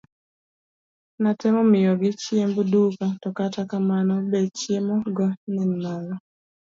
Natemo miyogi chiemb duka to kata kamano bech chiemo go ne ni malo.